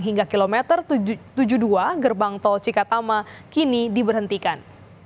hingga kilometer tujuh puluh dua gerbang tol cikatama kini diberhentikan